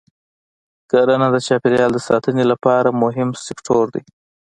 کرنه د چاپېریال د ساتنې لپاره مهم سکتور دی.